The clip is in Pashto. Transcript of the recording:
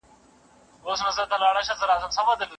چي خمار ومه راغلی میخانه هغسي نه ده